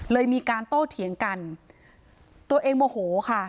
เลยมีการโต้เถียงกันตัวเองโมโหค่ะ